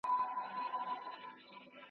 څوک به څرنګه ځان ژغوري له شامته .